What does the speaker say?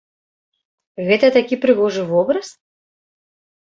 Гэта такі прыгожы вобраз?